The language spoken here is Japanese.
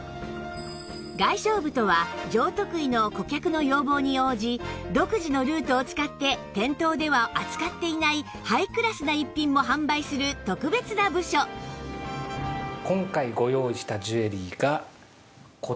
外商部とは上得意の顧客の要望に応じ独自のルートを使って店頭では扱っていないハイクラスな逸品も販売する特別な部署はあっ！